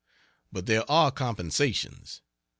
But there are compensations.